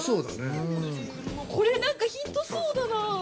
◆これなんかヒントそうだな◆